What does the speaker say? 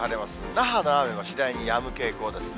那覇の雨も次第にやむ傾向ですね。